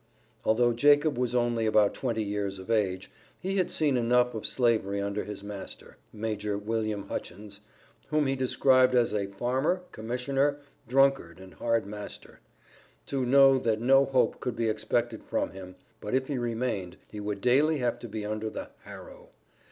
Although Jacob was only about twenty years of age, he had seen enough of Slavery under his master, "Major William Hutchins," whom he described as a "farmer, commissioner, drunkard, and hard master," to know that no hope could be expected from him, but if he remained, he would daily have to be under the "harrow."